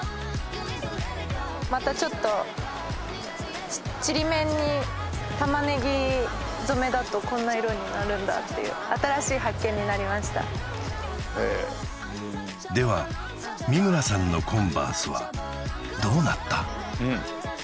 またちょっとちりめんに玉ねぎ染めだとこんな色になるんだっていうでは三村さんのコンバースはどうなった？